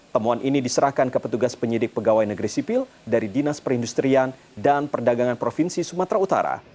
temuan ini diserahkan ke petugas penyidik pegawai negeri sipil dari dinas perindustrian dan perdagangan provinsi sumatera utara